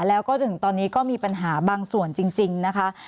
แล้วก็จนถึงตอนนี้ก็มีปัญหาบางส่วนจริงนะคะ